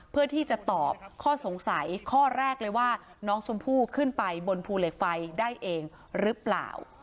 เพื่อที่จะตอบข้อสงสัยข้อแรกเลยว่าน้องชมพู่ขึ้นไปบนภูเหล็กไฟได้เองหรือเปล่า